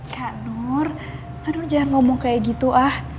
kak nur kak nur jangan ngomong kayak gitu ah